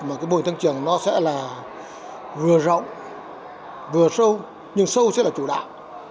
và cái mô hình tăng trưởng nó sẽ là vừa rộng vừa sâu nhưng sâu sẽ là chủ đạo